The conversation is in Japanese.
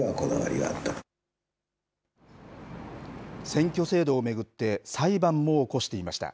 選挙制度を巡って裁判も起こしていました。